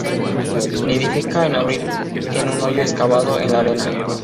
Nidifica en abril, en un hoyo excavado en la arena.